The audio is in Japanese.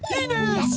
よし！